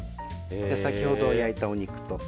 先ほど焼いたお肉と。